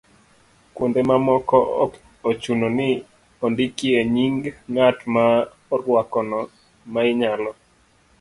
Kuonde ma ok ochuno ni ondikie nying' ng'at ma orwakono, ma inyalo